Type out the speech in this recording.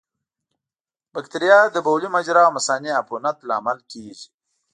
بکتریا د بولي مجرا او مثانې عفونت لامل کېږي.